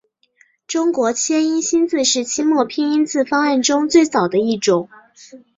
中国切音新字是清末拼音字方案中最早的一种。